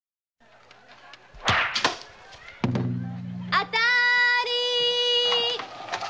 当たり。